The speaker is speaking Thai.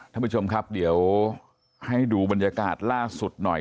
ท่านผู้ชมครับเดี๋ยวให้ดูบรรยากาศล่าสุดหน่อย